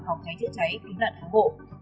phòng cháy chữ cháy chính là đáng hộ